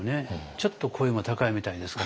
ちょっと声も高いみたいですけど。